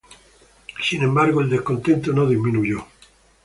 Sin embargo, el descontento no disminuyó.